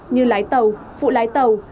như lái tàu phụ lái tàu